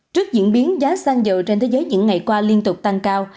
trước diễn biến giá sang dầu trên thế giới những ngày qua liên tục tăng cao